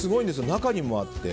中にもあって。